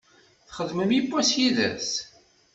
Txedmem yewwas yid-s?